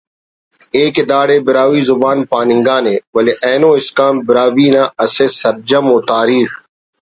ءِ کہ داڑے براہوئی زبان پاننگانے ولے اینو اسکان براہوئی نا اسہ سرجم ءُ تاریخ